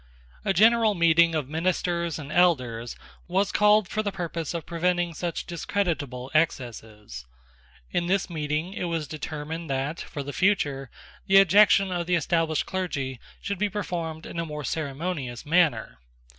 A general meeting of ministers and elders was called for the purpose of preventing such discreditable excesses. In this meeting it was determined that, for the future, the ejection of the established clergy should be performed in a more ceremonious manner.